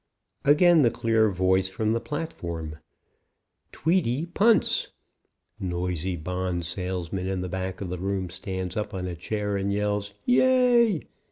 Again the clear voice from the platform: "Tweedy punts " (noisy bond salesman in back of room stands up on a chair and yells "Yea!"